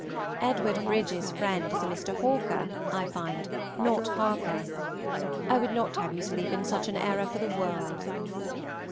Edwd. Bridges's friend is a Mr. Hawker, I find, not Harpur. I would not have you sleep in such an error for the world.